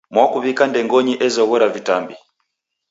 Mwakuw'ika ndengonyi ezoghora vitambi.